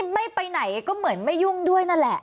ไม่ไปไหนก็เหมือนไม่ยุ่งด้วยนั่นแหละ